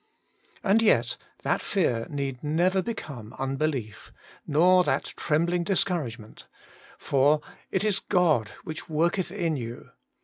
And yet, that fear need never become unbelief, nor that trembling discourage ment, for — it is God which worketh in you.